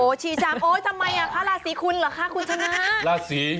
โอ้ชีชามทำไมพระราศีคุณเหรอค่ะคุณชนะ